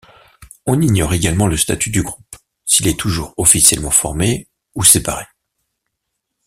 On ignore également le statut du groupe, s'il est toujours officiellement formé ou séparé.